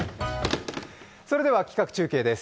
それでは企画中継です。